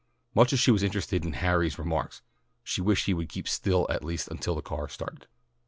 Much as she was interested in "Harry's" remarks, she wished he would keep still at least until the car started.